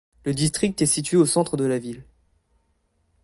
Le district est situé au centre de la ville.